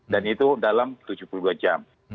dan itu dalam tujuh puluh dua jam